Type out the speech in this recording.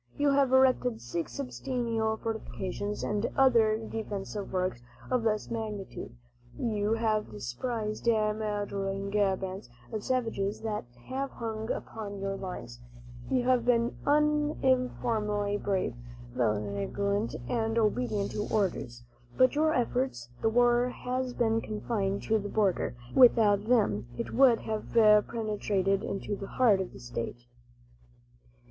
You have erected six substantial fortifications, and other defensive works of less magnitude. You have dispersed marauding bands of savages that have hung upon your lines. You have been uniformly brave, vigilant and obedient to orders. By your efforts, the war has been confined to the border; without them, it would have penetrated into the heart of the state.